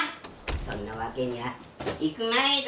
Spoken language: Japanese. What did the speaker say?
そんなわけにはいくまいろ。